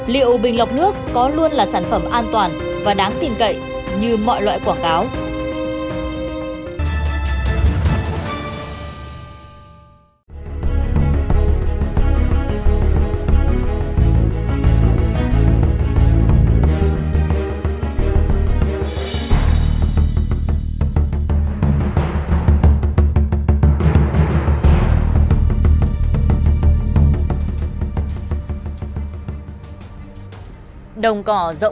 liệu bình lọc nước có luôn là sản phẩm an toàn và đáng tin cậy như mọi loại quảng cáo